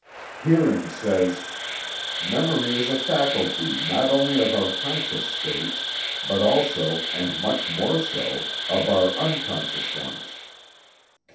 Hering says: "Memory is a faculty not only of our conscious states, but also, and much more so, of our unconscious ones."